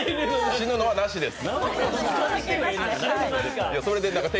死ぬのはなしです。